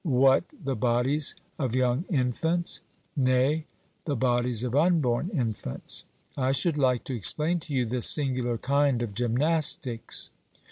'What, the bodies of young infants?' Nay, the bodies of unborn infants. I should like to explain to you this singular kind of gymnastics.